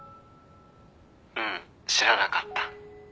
うん知らなかった。